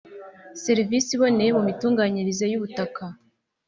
Serivisi iboneye mu mitunganyirize y’ ubutaka